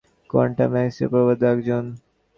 Quantum মেকানিক্সের প্রবক্তাদের এক জন।